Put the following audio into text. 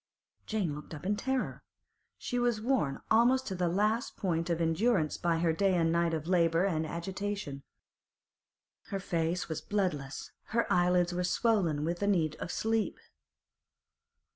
Jane looked up in terror. She was worn almost to the last point of endurance by her day and night of labour and agitation. Her face was bloodless, her eyelids were swollen with the need of sleep.